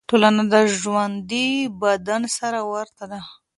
ټولنه د ژوندي بدن سره ورته ده.